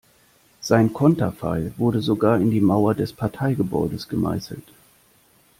Sein Konterfei wurde sogar in die Mauer des Parteigebäudes gemeißelt.